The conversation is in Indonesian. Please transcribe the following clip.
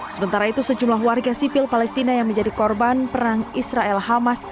sementara itu sejumlah warga sipil palestina yang menjadi korban perang israel hamas